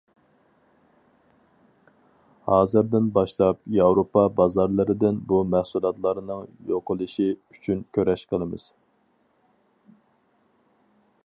ھازىردىن باشلاپ ياۋروپا بازارلىرىدىن بۇ مەھسۇلاتلارنىڭ يوقىلىشى ئۈچۈن كۈرەش قىلىمىز!